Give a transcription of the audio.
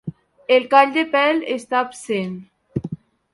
El call de pèl està absent.